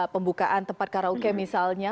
pembukaan tempat karaoke misalnya